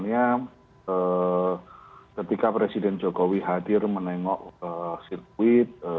artinya ketika presiden jokowi hadir menengok sirkuit